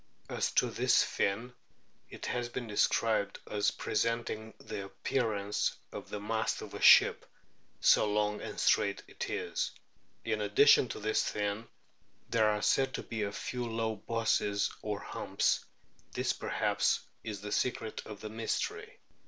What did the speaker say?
As to this fin, it has been described as presenting the appearance of the mast of a ship, so long and straight is it. In addition to this fin, there are said to be a few low bosses or humps ; this perhaps is the secret of the mystery.